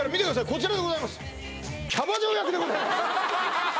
こちらでございます